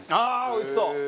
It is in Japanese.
おいしそう！